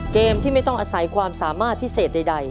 เกมที่ไม่ต้องอาศัยความสามารถพิเศษใด